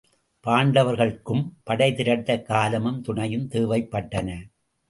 பாண்டவர்க்கும் படை திரட்டக் காலமும் துணையும் தேவைப்பட்டன.